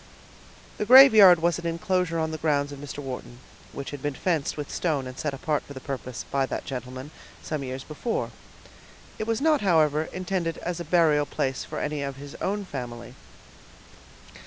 The graveyard was an inclosure on the grounds of Mr. Wharton, which had been fenced with stone and set apart for the purpose, by that gentleman, some years before. It was not, however, intended as a burial place for any of his own family.